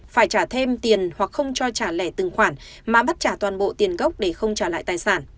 phải trả thêm tiền hoặc không cho trả lẻ từng khoản mà bắt trả toàn bộ tiền gốc để không trả lại tài sản